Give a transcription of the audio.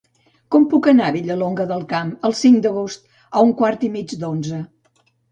Com puc anar a Vilallonga del Camp el cinc d'agost a un quart i mig d'onze?